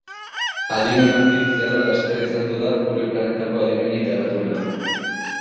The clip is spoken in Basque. Adimen artifiziala laster izango da gure planetako adimenik garatuena.